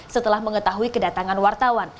setelah mengetahui kedatangan wartawan